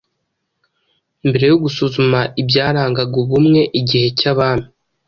Mbere yo gusuzuma ibyarangaga ubumwe igihe cy'abami